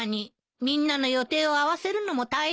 みんなの予定を合わせるのも大変だし。